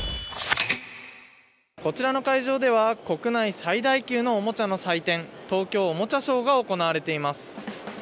こちらの会場では国内最大級のおもちゃの祭典、東京おもちゃショーが行われています。